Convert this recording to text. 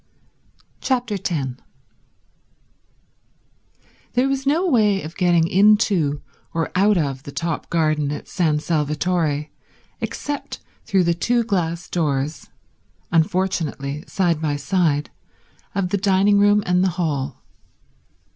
Chapter 10 There was no way of getting into or out of the top garden at San Salvatore except through the two glass doors, unfortunately side by side, of the dining room and the hall.